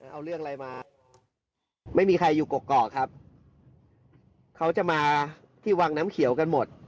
เอาเรื่องอะไรมาไม่มีใครอยู่กอกครับเขาจะมาที่วังน้ำเขียวกันหมด